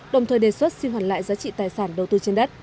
đồng thời đề xuất xin hoàn lại giá trị tài sản đầu tư trên đất